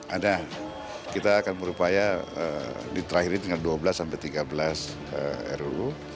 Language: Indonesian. ada kita akan berupaya diterakin dengan dua belas sampai tiga belas ruu